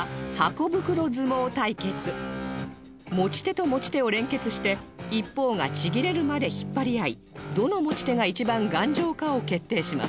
持ち手と持ち手を連結して一方がちぎれるまで引っ張り合いどの持ち手が一番頑丈かを決定します